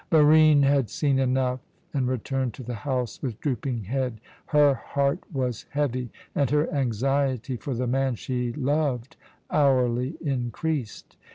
Barine had seen enough, and returned to the house with drooping head. Her heart was heavy, and her anxiety for the man she loved hourly increased.